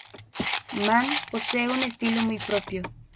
Mann posee un estilo muy propio.